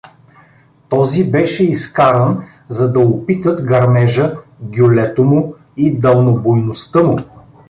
Този беше изкаран, за да опитат гърмежа, гюллето му и далнобойността му.